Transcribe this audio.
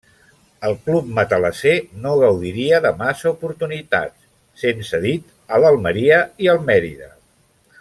Al club matalasser no gaudiria de massa oportunitats, sent cedit a l'Almeria i al Mèrida.